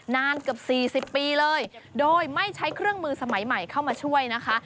นานเกือบ๔๐ปีเลยโดยไม่ใช้เครื่องมือสมัยใหม่เข้ามาช่วยนะคะ